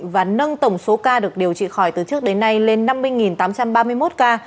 và nâng tổng số ca được điều trị khỏi từ trước đến nay lên năm mươi tám trăm ba mươi một ca